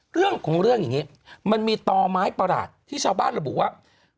เรื่องของเรื่องอย่างนี้มันมีต่อไม้ประหลาดที่ชาวบ้านระบุว่า